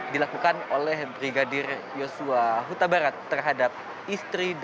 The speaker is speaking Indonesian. dilakukan oleh brigadir joshua huta barat terhadap istri